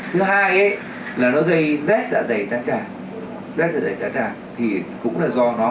thứ hai là nó gây nét dạ dày tát trà